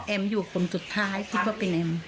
อ๋อแอมอยู่ว่าคนสุดท้ายเขาล่ะครับ